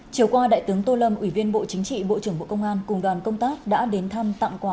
chiều qua đại tướng tô lâm ủy viên bộ chính trị bộ trưởng bộ công an cùng đoàn công tác đã đến thăm tặng quà